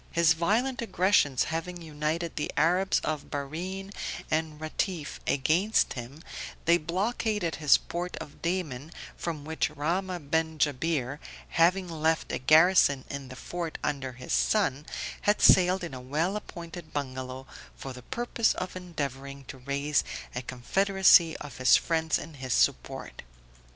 His violent aggressions having united the Arabs of Bahrene and Ratiffe against him they blockaded his port of Daman from which Rahmah ben Jabir, having left a garrison in the fort under his son, had sailed in a well appointed bungalow, for the purpose of endeavoring to raise a confederacy of his friends in his support.